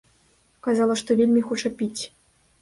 Казала, што вельмі хоча піць.